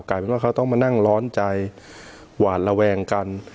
กลายเป็นว่าเขาต้องมานั่งร้อนใจหวานระแวงกัน